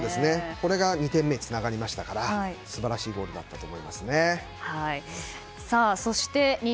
これが２点目につながりましたから素晴らしいゴールになりましたね。